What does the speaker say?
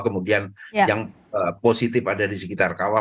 kemudian yang positif ada di sekitar kawah